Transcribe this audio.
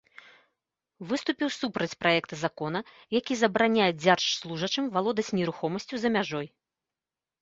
Выступіў супраць праекта закона, які забараняе дзяржслужачым валодаць нерухомасцю за мяжой.